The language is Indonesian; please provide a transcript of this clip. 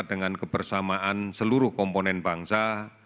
dengan kebersamaan seluruh komponen bangsa